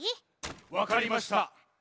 わかりました。